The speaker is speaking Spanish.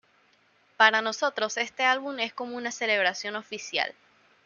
Para nosotros, este álbum es como una celebración oficial.